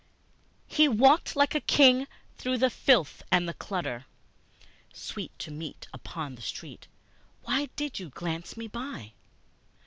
He walked like a king through the filth and the clutter, (Sweet to meet upon the street, why did you glance me by?)